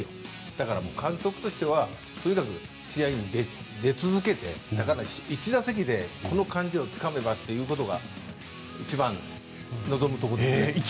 だから、監督としてはとにかく試合に出続けて１打席でこの感じをつかめばということが一番望むところですね。